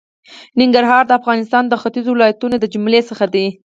ننګرهار د افغانستان د ختېځو ولایتونو د جملې څخه دی.